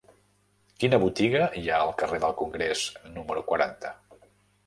Quina botiga hi ha al carrer del Congrés número quaranta?